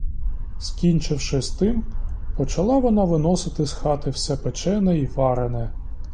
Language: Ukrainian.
Скінчивши з тим, почала вона виносити з хати все печене й варене.